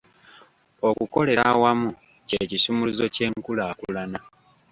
Okukolera awamu kye kisumuluzo ky'enkulaakulana.